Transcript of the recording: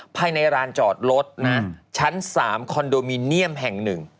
ภายในร้านจอดรถนะชั้น๓คอนโดมิเนียมแห่ง๑